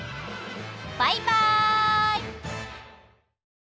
バイバイ！